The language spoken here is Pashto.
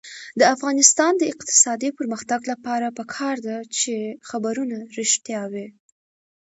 د افغانستان د اقتصادي پرمختګ لپاره پکار ده چې خبرونه رښتیا وي.